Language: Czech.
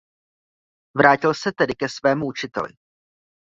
Vrátil se tedy ke svému učiteli.